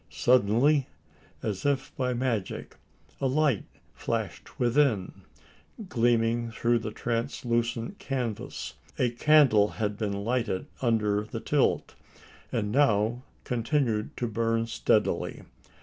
Suddenly, and, as if by magic, a light flashed within, gleaming through the translucent canvas. A candle had been lighted under the tilt; and now continued to burn steadily.